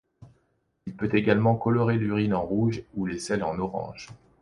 Il peut également colorer l'urine en rouge ou les selles en orange.